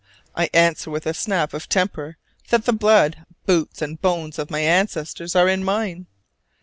I answer with a snap of temper that the blood, boots, and bones of my ancestors are in mine!